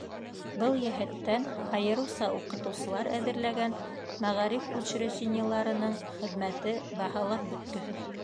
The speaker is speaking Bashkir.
Был йәһәттән айырыуса уҡытыусылар әҙерләгән мәғариф учреждениеларының хеҙмәте баһалап бөткөһөҙ.